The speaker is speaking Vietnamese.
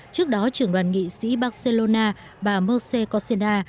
trước đó trưởng đoàn nghị sĩ barcelona bà mercê cossena